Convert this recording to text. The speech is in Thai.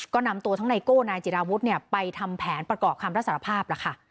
ก็นำตัวทั้งไนโก้นายจิราวุฒิเนี่ยไปทำแผนประกอบคำรับสารภาพแล้วค่ะ